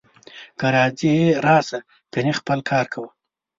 که راځې راسه، کنې خپل کار کوه